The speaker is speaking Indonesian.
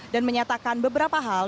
dan menyatakan beberapa hal